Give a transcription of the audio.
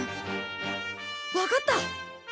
わかった！